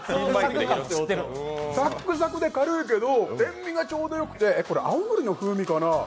サックサクで軽いけど塩味がちょうどよくて、青のりの風味かな？